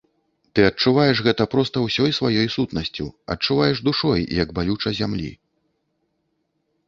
Ты адчуваеш гэта проста ўсёй сваёй сутнасцю, адчуваеш душой, як балюча зямлі.